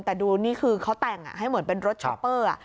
แต่ดูนี่คือเขาแต่งให้เหมือนเป็นรถช็อปเปอร์